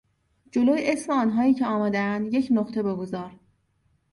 جلو اسم آنهایی که آمدهاند یک نقطه بگذار.